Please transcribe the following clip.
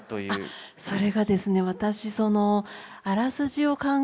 それがですね